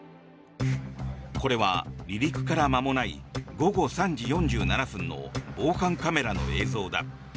これは離陸から間もない午後３時４７分の防犯カメラの映像だ。